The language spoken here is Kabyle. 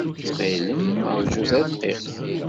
Ttxil-m, ṛju tadqiqt.